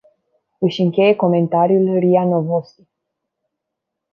Își încheie comentariul Ria Novosti.